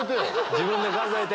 自分で数えて。